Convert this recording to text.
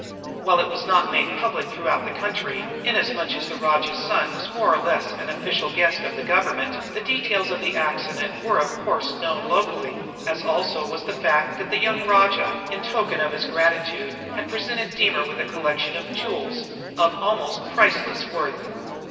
While it was not made public throughout the country, inasmuch as the rajah's son was more or less an official guest of the government, the details of the accident were of course known locally, as also was the fact that the young rajah in token of his gratitude had presented Deemer with a collection of jewels of almost priceless worth.